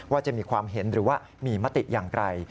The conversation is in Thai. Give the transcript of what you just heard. จะมีความเห็นหรือว่ามีมติอย่างไร